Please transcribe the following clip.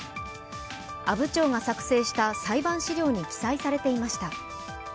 阿武町が作成した裁判資料に記載されていました。